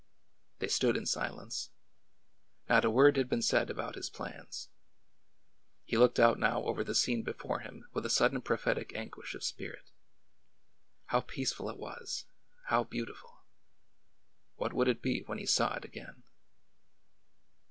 They stood in silence. Not a word had been said about his plans. He looked out now over the scene before him with a sudden prophetic anguish of spirit. How peaceful it was ! how beautiful ! What would it be when he saw it again